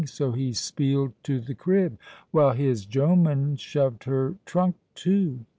So he speeled to the crib, while his jomen shoved her trunk too.